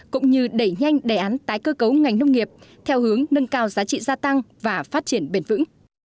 cũng như đẩy nhanh đề án tái cơ cấu ngành nông nghiệp theo hướng nâng cao giá trị gia tăng và phát triển bền vững